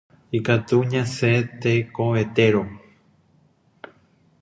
Ikatu ñasẽ tekotevẽrõ.